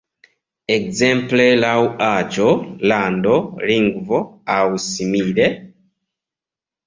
Ekzemple laŭ aĝo, lando, lingvo aŭ simile?